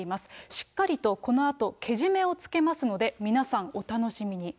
しっかりとこのあとけじめをつけますので、皆さん、お楽しみに。